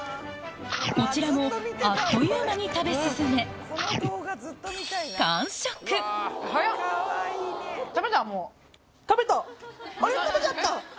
こちらもあっという間に食べ進め食べた。